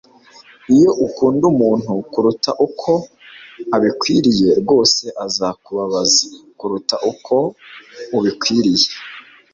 iyo ukunda umuntu kuruta uko abikwiriye, rwose azakubabaza kuruta uko ubikwiriye